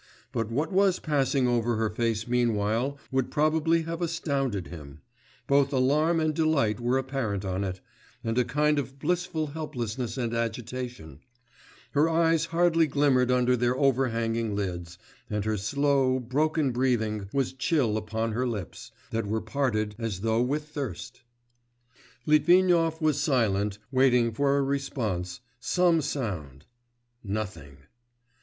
But what was passing over her face meanwhile would probably have astounded him; both alarm and delight were apparent on it, and a kind of blissful helplessness and agitation; her eyes hardly glimmered under their overhanging lids, and her slow, broken breathing was chill upon her lips, that were parted as though with thirst.... Litvinov was silent, waiting for a response, some sound.... Nothing!